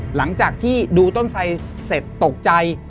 หลังจากที่ดูต้นไสเสร็จตกใจ